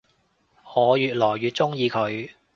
我愈來愈鍾意佢